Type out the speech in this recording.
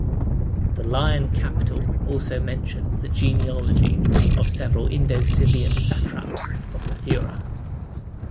The lion capital also mentions the genealogy of several Indo-Scythian satraps of Mathura.